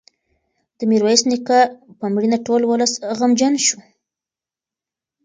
د میرویس نیکه په مړینه ټول ولس غمجن شو.